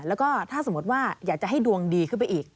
แล้วก็ถ้าสมมติว่าอยากจะให้ดวงดีขึ้นไปอีก